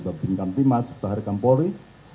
bapak bintang timas bapak harika polri